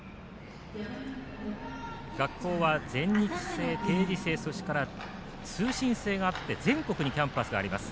学校は全日制、定時制それから通信制があって全国にキャンバスがあります。